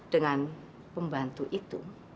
dengan pembantu itu